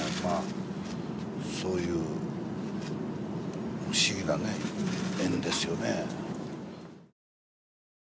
そういう不思議なね縁ですよね。